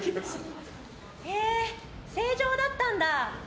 へえ、正常だったんだ。